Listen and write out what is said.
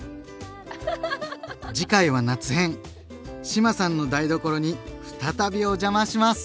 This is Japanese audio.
志麻さんの台所に再びお邪魔します！